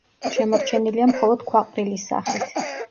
შემორჩენილია მხოლოდ ქვაყრილის სახით.